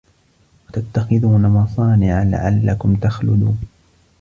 وَتَتَّخِذونَ مَصانِعَ لَعَلَّكُم تَخلُدونَ